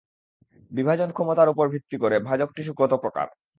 বিভাজন ক্ষমতার উপর ভিত্তি করে ভাজক টিস্যু কত প্রকার?